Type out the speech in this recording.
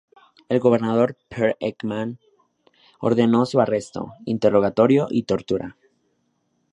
El gobernador Pehr Ekman ordenó su arresto, interrogatorio y tortura.